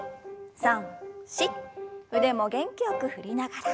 腕も元気よく振りながら。